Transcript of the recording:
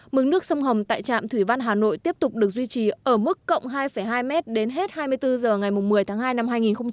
mức nước sông hồng tại trạm thủy văn hà nội tiếp tục được duy trì ở mức cộng hai hai m đến hết hai mươi bốn h ngày một mươi tháng hai năm hai nghìn hai mươi